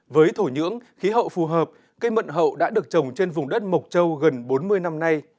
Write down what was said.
với thổ nhưỡng khí hậu phù hợp cây mận hậu đã được trồng trên vùng đất mộc châu gần bốn mươi năm nay